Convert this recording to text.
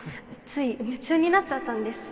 つい夢中になっちゃったんです